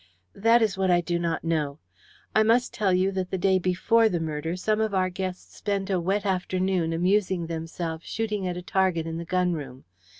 "That is what I do not know. I must tell you that the day before the murder some of our guests spent a wet afternoon amusing themselves shooting at a target in the gun room.